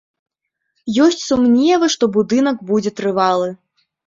Ёсць сумневы, што будынак будзе трывалы.